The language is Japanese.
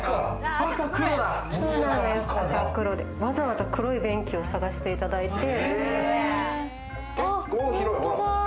わざわざ黒い便器を探していただいて。